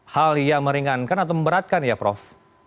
hal yang meringankan atau memberatkan ya prof